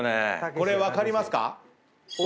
これ分かりますか？